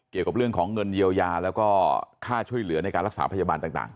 เกี่ยวกับเรื่องของเงินเยียวยาแล้วก็ค่าช่วยเหลือในการรักษาพยาบาลต่าง